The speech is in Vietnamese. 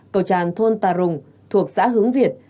cầu tràn thôn tà rùng thuộc xã hướng việt